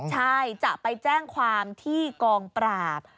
ใช่จะไปแจ้งความที่กองปราบ